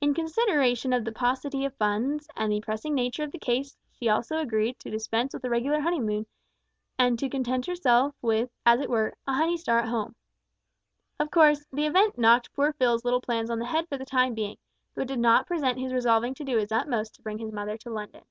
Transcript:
In consideration of the paucity of funds, and the pressing nature of the case, she also agreed to dispense with a regular honeymoon, and to content herself with, as it were, a honey star at home. Of course, the event knocked poor Phil's little plans on the head for the time being, though it did not prevent his resolving to do his utmost to bring his mother to London.